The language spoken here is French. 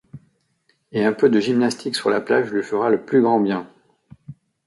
Et un peu de gymnastique sur la plage lui fera le plus grand bien.